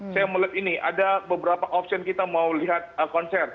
saya melihat ini ada beberapa option kita mau lihat konser